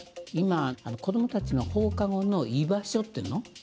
今子どもたちの放課後の居場所っていうの？